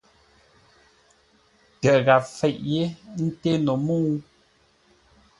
Tə́ gháp fêʼ yé nté no mə́u.